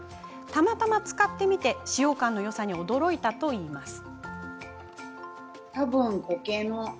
たまたま使ってみて使用感のよさに驚いたといいます。